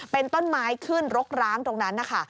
เป็นต้นไม้ขึ้นรกร้างตรงนั้นนะคะ